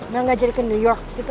nah gak jadi ke new york gitu